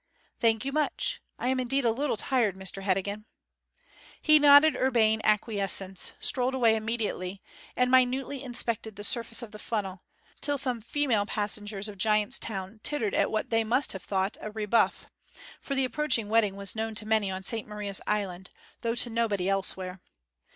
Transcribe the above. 'Thank you much. I am indeed a little tired, Mr Heddegan.' He nodded urbane acquiescence, strolled away immediately, and minutely inspected the surface of the funnel, till some female passengers of Giant's Town tittered at what they must have thought a rebuff for the approaching wedding was known to many on St Maria's Island, though to nobody elsewhere.